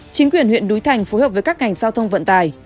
chính quyền huyện núi thành phối hợp với các ngành giao thông vận tài